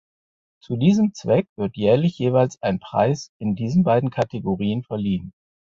Zu diesem Zweck wird jährlich jeweils ein Preis in diesen beiden Kategorien verliehen.